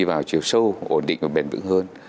màu chiều sâu ổn định và bền vững hơn